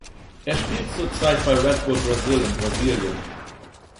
Er spielt zurzeit bei Red Bull Brasil in Brasilien.